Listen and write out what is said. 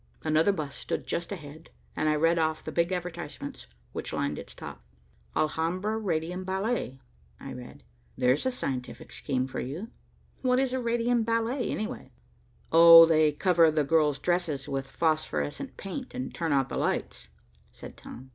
Another bus stood just ahead, and I read off the big advertisements which lined its top. "Alhambra Radium Ballet," I read. "There's a scientific scheme for you people. What is a radium ballet, anyway?" "Oh, they cover the girls' dresses with phosphorescent paint, and turn out the lights," said Tom.